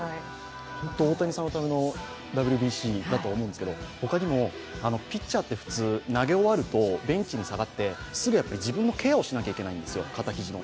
ホントに大谷さんのＷＢＣだと思うんですけどほかにも、ピッチャーって普通投げ終わるとベンチに下がってすぐ自分のケアをしなきゃいけないんです、肩肘の。